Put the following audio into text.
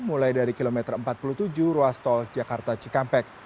mulai dari kilometer empat puluh tujuh ruas tol jakarta cikampek